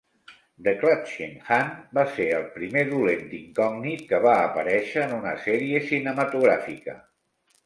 "The Clutching Hand" va ser el primer dolent d'incògnit que va aparèixer en una sèrie cinematogràfica.